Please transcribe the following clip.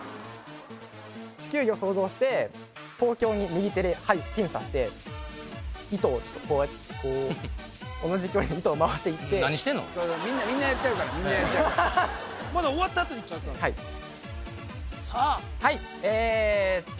地球儀を想像して東京に右手で針ピン刺して糸をこうやってこう同じ距離に糸を回していってみんなやっちゃうからみんなやっちゃうまだ終わったあとに聞きたいはいさあはいえと